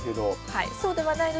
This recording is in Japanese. はい。